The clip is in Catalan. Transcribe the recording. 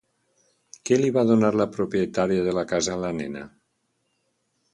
Què li va donar la propietària de la casa a la nena?